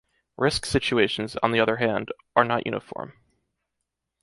Risk situations, on the other hands, are not uniform.